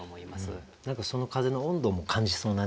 何かその風の温度も感じそうなね。